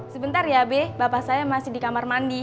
sebentar ya be bapak saya masih di kamar mandi